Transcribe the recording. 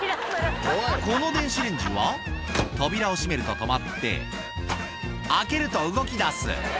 この電子レンジは、扉を閉めると止まって、開けると動きだす。